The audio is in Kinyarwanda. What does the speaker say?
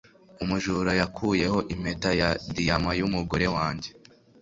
Umujura yakuyeho impeta ya diyama y'umugore wanjye.